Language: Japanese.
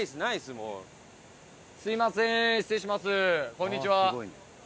こんにちは。